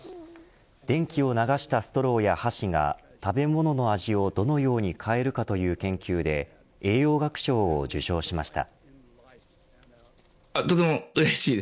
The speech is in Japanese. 電気を流したストローや箸が食べ物の味をどのように変えるかという研究で栄養学賞を受賞しました。